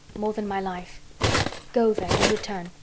"More than my life." "Go, then, and return.